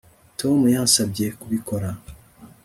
tom yansabye kubikora